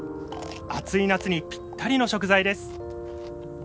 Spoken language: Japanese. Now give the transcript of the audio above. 暑い夏にぴったりの食材です。